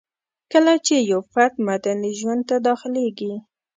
کله چي يو فرد مدني ژوند ته داخليږي